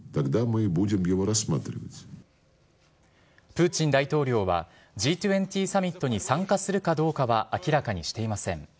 プーチン大統領はＧ２０サミットに参加するかどうかは明らかにしていません。